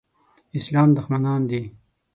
اسلام دښمنان دي.